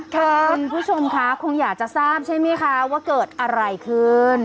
คุณผู้ชมคะคงอยากจะทราบใช่ไหมคะว่าเกิดอะไรขึ้น